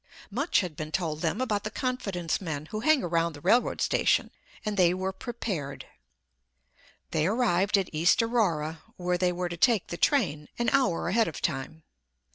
Much had been told them about the Confidence Men who hang around the railroad station, and they were prepared. They arrived at East Aurora, where they were to take the train, an hour ahead of time.